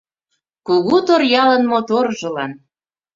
Кугу Торъялын моторжылан